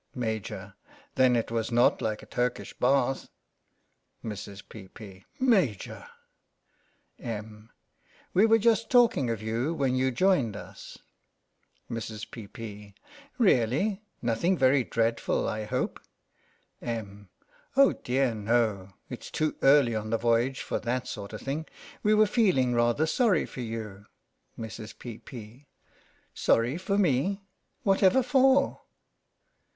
Maj\ : Then it was not like a Turkish bath. Mrs, P,'P. : Major 1 Em. : We were just talking of you when you joined us. 112 THE BAKER'S DOZEN Mrs. P, P, : Really ! Nothing very dread ful, I hope. Em. : Oh dear, no ! It's too early on the voyage for that sort of thing. We were feeling rather sorry for you. Mi's. P,'P. : Sorry for me ? Whatever for